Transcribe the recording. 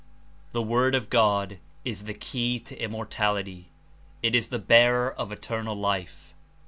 The Word of God is the key to Immortality. It is the bearer of Eternal Life.